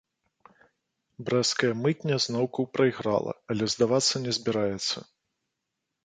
Брэсцкая мытня зноўку прайграла, але здавацца не збіраецца.